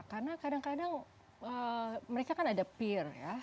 karena kadang kadang mereka kan ada peer ya